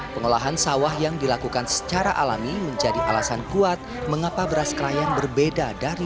pengolahan sawah yang dilakukan secara alami menjadi alasan kuat mengapa beras krayan berbeda dari